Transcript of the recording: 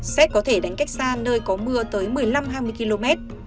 xét có thể đánh cách xa nơi có mưa tới một mươi năm hai mươi km